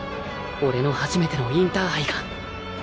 俺の初めてのインターハイが。